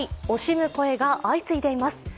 惜しむ声が相次いでいます。